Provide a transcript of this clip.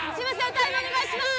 タイムお願いします